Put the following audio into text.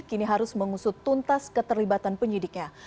kini harus mengusut tuntas keterlibatan penyidiknya